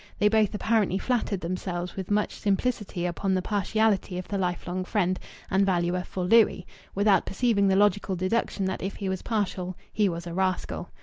They both apparently flattered themselves with much simplicity upon the partiality of the lifelong friend and valuer for Louis, without perceiving the logical deduction that if he was partial he was a rascal.